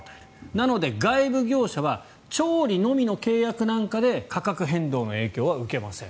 なので外部業者は調理のみの契約なんかで価格変動の影響は受けません。